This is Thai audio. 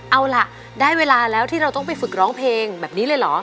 เอาล่ะได้เวลาแล้วที่เราต้องไปฝึกร้องเพลงแบบนี้เลยเหรอ